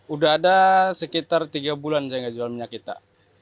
udah ada sekitar tiga bulan saya nggak jual minyak kita